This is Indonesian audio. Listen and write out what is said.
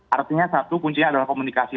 artinya satu kuncinya adalah komunikasi